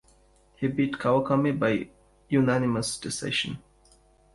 He beat Kawakami by unanimous decision.